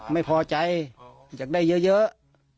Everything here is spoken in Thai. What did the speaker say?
ไม่พอใจอยากได้เยอะ